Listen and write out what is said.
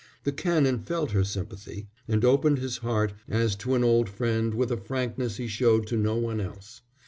The Canon felt her sympathy and opened his heart as to an old friend with a frankness he showed to no one else.